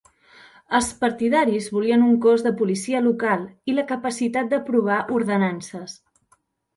Els partidaris volien un cos de policia local i la capacitat d'aprovar ordenances.